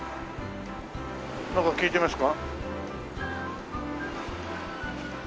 なんか聞いてみますか？